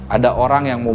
ada orang yang mau